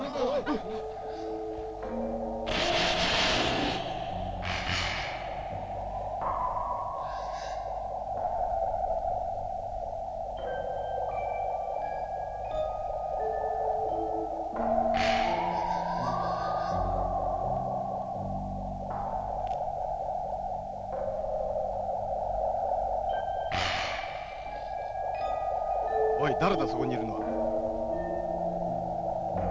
おい誰だそこにいるのは。